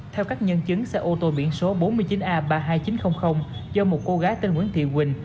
theo các nhân chứng xe ô tô biển số bốn mươi chín a ba mươi hai nghìn chín trăm linh do một cô gái tên nguyễn thị quỳnh